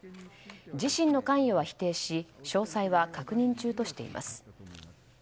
自身の関与は否定し詳細は確認中としています。